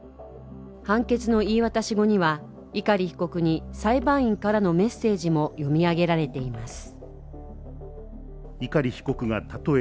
判決の言い渡し後には碇被告に裁判員からのメッセージも読み上げられています。